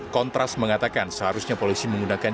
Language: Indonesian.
kontras mengatakan seharusnya polisi menggunakan